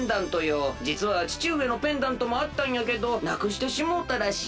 じつはちちうえのペンダントもあったんやけどなくしてしもうたらしい。